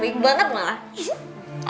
rik banget malah